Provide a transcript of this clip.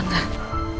kenapa aku bisa berhenti